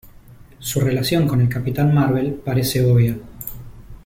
Su relación con el Capitán Marvel parece obvia.